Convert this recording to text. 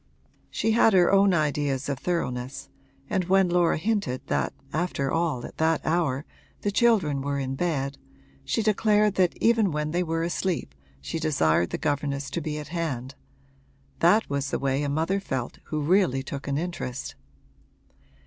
She had her own ideas of thoroughness and when Laura hinted that after all at that hour the children were in bed she declared that even when they were asleep she desired the governess to be at hand that was the way a mother felt who really took an interest.